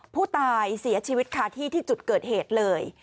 ผู้เสียชีวิตค่ะที่ที่จุดเกิดเหตุเลย